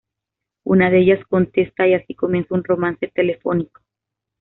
Una de ellas contesta y así comienza un romance telefónico.